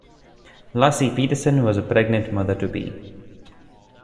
Laci Peterson was a pregnant mother-to-be.